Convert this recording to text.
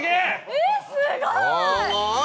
えっすごい！